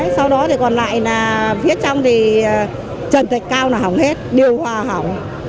sau đó thì còn lại là phía trong thì trần thạch cao là hỏng hết điều hòa hỏng